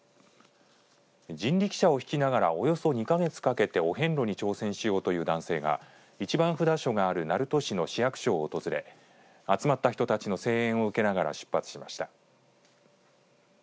人力車を引きながらおよそ２か月かけてお遍路に挑戦しようという男性が１番札所がある鳴門市の市役所を訪れ集まった人たちの声援を受けながら出発しました。